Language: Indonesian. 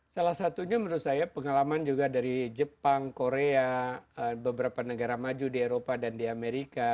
salah satunya menurut saya pengalaman juga dari jepang korea beberapa negara maju di eropa dan di amerika